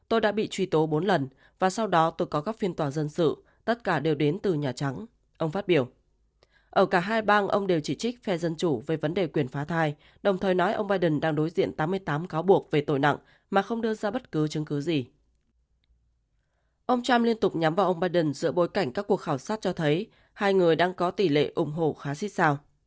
ông trump liên tục nhắm vào ông biden dựa bối cảnh các cuộc khảo sát cho thấy hai người đang có tỷ lệ ủng hộ khá xích xào